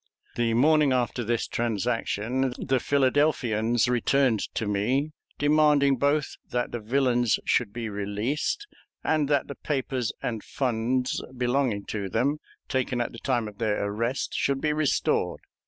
The morning after this transaction the Philadelphians returned to me, demanding both that the villains should be released, and that the papers and funds belonging to them, taken at the time of their arrest, should be restored.